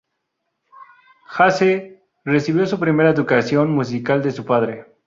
Hasse recibió su primera educación musical de su padre.